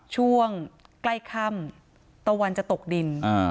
ช่วงใกล้ค่ำตะวันจะตกดิน